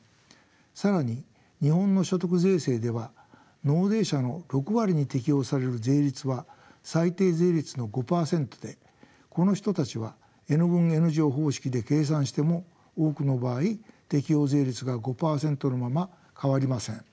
更に日本の所得税制では納税者の６割に適用される税率は最低税率の５％でこの人たちはＮ分Ｎ乗方式で計算しても多くの場合適用税率が５％のまま変わりません。